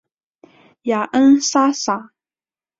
雅恩莎撒。